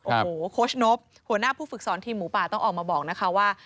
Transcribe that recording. โอ้โหโค้ชนบหัวหน้าผู้ฝึกสอนทีมหมูป่าต้องออกมาบอกนะคะว่า